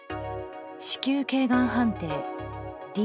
子宮頸がん判定Ｄ。